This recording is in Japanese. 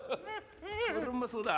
こりゃうまそうだ